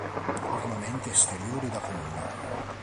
Ornamenti esteriori da Comune".